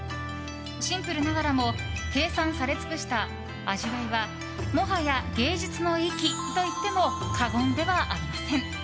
シンプルながらも計算され尽くした味わいはもはや芸術の域と言っても過言ではありません。